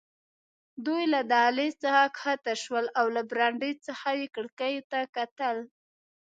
دوی له دهلېز څخه کښته شول او له برنډې څخه یې کړکیو ته کتل.